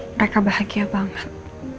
mereka bahagia banget